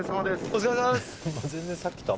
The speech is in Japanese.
お疲れさまです